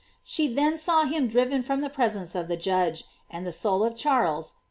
She then saw him driven from the pres ence of the judge, and the soul of Charles taken to heaven.